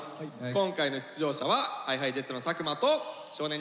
今回の出場者はＨｉＨｉＪｅｔｓの作間と少年忍者の久保くんです。